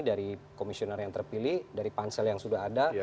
dari komisioner yang terpilih dari pansel yang sudah ada